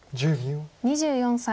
２４歳。